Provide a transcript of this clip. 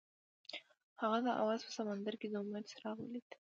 هغه د اواز په سمندر کې د امید څراغ ولید.